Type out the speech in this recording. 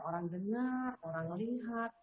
orang dengar orang melihat